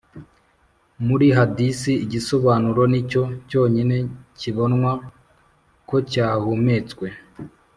muri hadisi, igisobanuro ni cyo cyonyine kibonwa ko cyahumetswe